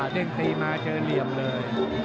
เด้งตีมาเจอเหลี่ยมเลย